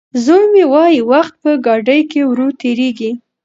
زوی مې وايي وخت په ګاډي کې ورو تېرېږي.